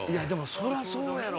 そりゃそうやろ！